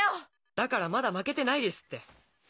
だからまだ負けてないですって。